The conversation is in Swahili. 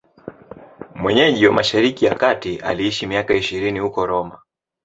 Mwenyeji wa Mashariki ya Kati, aliishi miaka ishirini huko Roma.